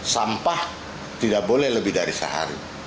sampah tidak boleh lebih dari sehari